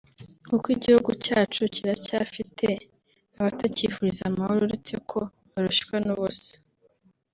kuko igihugu cyacu kiracyafite abatakifuriza amahoro uretse ko barushywa n’ubusa